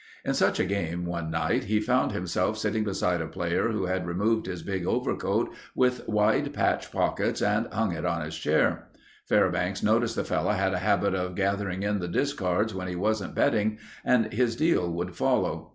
In such a game one night he found himself sitting beside a player who had removed his big overcoat with wide patch pockets and hung it on his chair. Fairbanks noticed the fellow had a habit of gathering in the discards when he wasn't betting and his deal would follow.